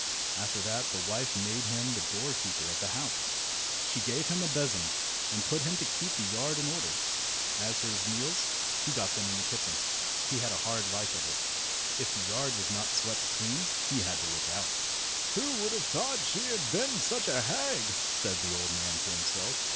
After that the wife made him the door keeper of the house. She gave him a besom, and put him to keep the yard in order. As for his meals, he got them in the kitchen. He had a hard life of it. If the yard was not swept clean, he had to look out. "Who would have thought she had been such a hag?" said the old man to himself.